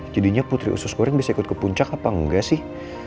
jadinya putri usus goreng bisa ikut ke puncak apa enggak sih